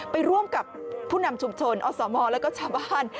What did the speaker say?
ไปร่วมกับผู้นำชุมชนอสมแล้วก็ชาวบ้าน